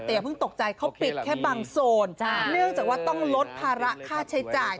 แต่อย่าเพิ่งตกใจเขาปิดแค่บางโซนเนื่องจากว่าต้องลดภาระค่าใช้จ่าย